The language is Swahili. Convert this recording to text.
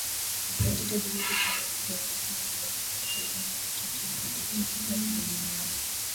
katika juhudi za wafugaji hao hukabiliana na matatizo ya kiafya ya wanyama wao